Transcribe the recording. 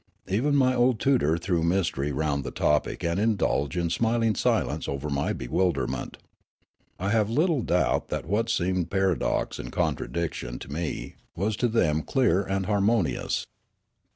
Even my old tutor threw mystery round the topic and indulged in smiling silence over my bewilderment. I have little doubt that what seemed paradox and contradiction to me was to them clear and harmonious.